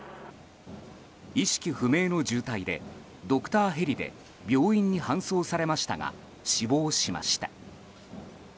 意識不明の重体でドクターヘリで病院に搬送されましたが死亡しました。